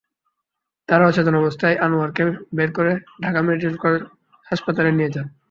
তাঁরা অচেতন অবস্থায় আনোয়ারকে বের করে ঢাকা মেডিকেল কলেজ হাসপাতালে নিয়ে যান।